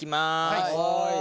はい。